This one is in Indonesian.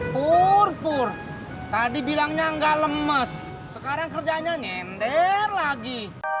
pur pur tadi bilangnya nggak lemes sekarang kerjanya nyender lagi